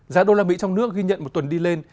giá đô la mỹ trong nước ghi nhận một tuần đi lên